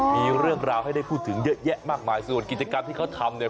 มีเรื่องราวให้ได้พูดถึงเยอะแยะมากมายส่วนกิจกรรมที่เขาทำเนี่ย